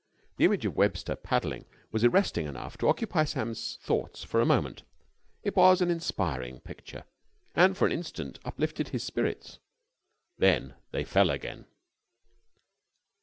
The image of Webster paddling was arresting enough to occupy Sam's thoughts for a moment. It was an inspiring picture, and for an instant uplifted his spirits. Then they fell again.